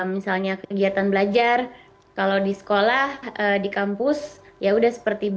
jadi aktivitas ataupun misalnya kegiatan belajar kalau di sekolah di kampus ya udah seperti itu